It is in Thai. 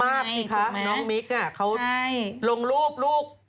มากสิคะน้องมิ๊กเขาลงรูป